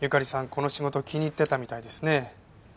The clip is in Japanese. この仕事を気に入ってたみたいですね。